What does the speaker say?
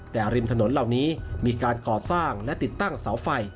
แต่ริมถนนเหล่านี้มีการก่อสร้างและติดตั้งเสาไฟ